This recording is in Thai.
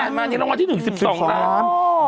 สวัสดีครับคุณผู้ชม